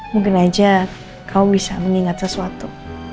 mungkin aja kau bisa mengingat sesuatu